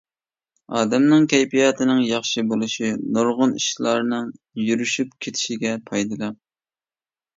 ئادەمنىڭ كەيپىياتىنىڭ ياخشى بولۇشى نۇرغۇن ئىشلارنىڭ يۈرۈشۈپ كېتىشىگە پايدىلىق.